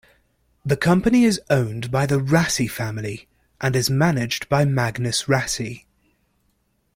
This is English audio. The company is owned by the Rassy family, and is managed by Magnus Rassy.